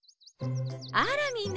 あらみんな！